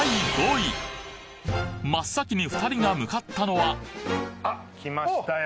真っ先に２人が向かったのはきましたよ